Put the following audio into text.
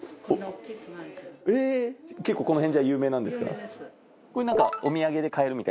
えぇ結構この辺じゃ有名なんですか？